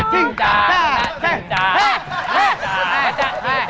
กลัวแล้ว